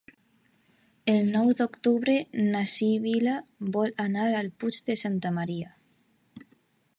El nou d'octubre na Sibil·la vol anar al Puig de Santa Maria.